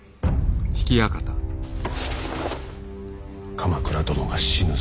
鎌倉殿が死ぬぞ。